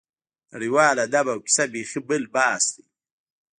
نړیوال ادب او کیسه بېخي بل بحث دی.